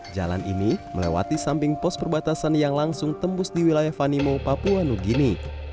jalan ini melewati samping pos perbatasan yang langsung tembus di wilayah vanimo papua new guinea